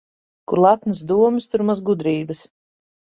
Kur lepnas domas, tur maz gudrības.